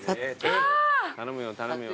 頼むよ頼むよ。